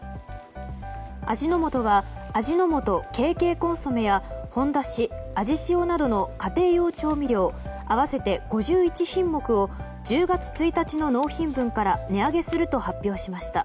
味の素は、味の素ＫＫコンソメやほんだし、アジシオなどの家庭用調味料合わせて５１品目を１０月１日の納品分から値上げすると発表しました。